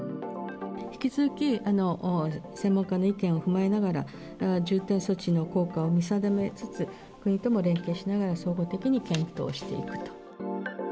引き続き、専門家の意見を踏まえながら、重点措置の効果を見定めつつ、国とも連携しながら、総合的に検討していくと。